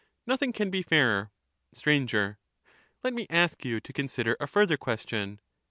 Nothing can be fairer. Str. Let me ask you to consider a further question.